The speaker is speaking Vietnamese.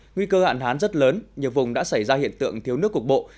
nguy cơ hạn hán rất lớn nhiều vùng đã xảy ra hiện tượng thiếu nước cục bộ